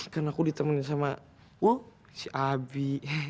kan aku ditemani sama si abi